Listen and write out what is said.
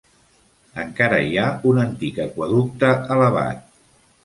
Encara hi ha un antic aqüeducte elevat.